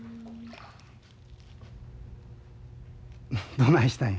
どないしたんや？